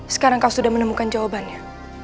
sekarang kau sudah menemukan jawabannya